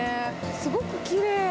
すごくきれい。